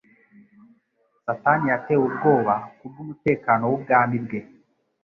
Satani yatewe ubwoba kubw'umutekano w'ubwami bwe